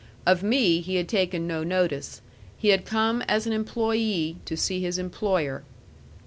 Of me he had taken no notice; he had come as an employee to see his employer.